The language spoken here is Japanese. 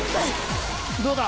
どうだ？